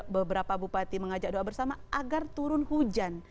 beberapa bupati mengajak doa bersama agar turun hujan